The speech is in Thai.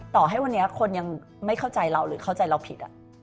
ต่อให้วันนี้คนยังไม่เข้าใจเราหรือเข้าใจเราผิด